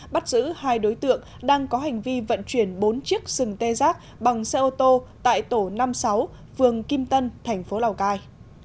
bắt giữ hai đối tượng đang có hành vi vận chuyển bốn chiếc sừng tê giác bằng xe ô tô tại tổ năm mươi sáu phường kim tân thành phố lào cai